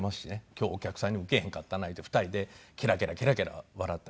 今日お客さんにウケへんかったないうて２人でケラケラケラケラ笑ったり。